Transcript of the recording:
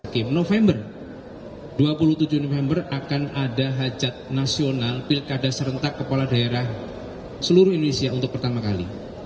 kim november dua puluh tujuh november akan ada hajat nasional pilkada serentak kepala daerah seluruh indonesia untuk pertama kali